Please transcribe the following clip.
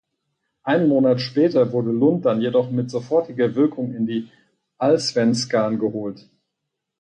Einen Monat später wurde Lund dann jedoch mit sofortiger Wirkung in die Allsvenskan geholt.